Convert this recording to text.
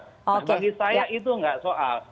nah bagi saya itu nggak soal